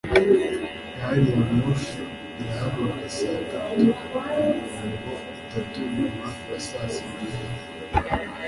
gari ya moshi irahaguruka saa tatu na mirongo itatu nyuma ya saa sita